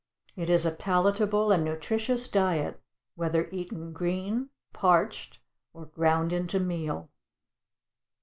It is a palatable and nutritious diet whether eaten green, parched, or ground into meal.